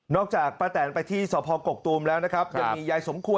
จากป้าแตนไปที่สพกกตูมแล้วนะครับยังมียายสมควร